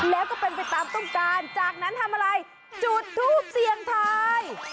แล้วก็เป็นไปตามต้องการจากนั้นทำอะไรจุดทูปเสียงทาย